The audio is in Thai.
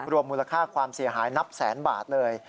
รวมมูลค่าความเสียหายนับแสนบาทเลย